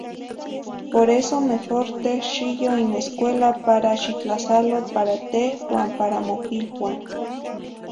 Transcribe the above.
Por eso mejor teh xiyo in escuela para xitlasalo para teh uan para mopiluan